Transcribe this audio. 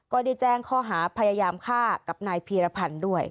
ก็ได้แจ้งข้อหาพยายามฆ่ากับนายพีรพันธ์ด้วย